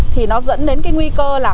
thì nó dẫn đến cái nguy cơ là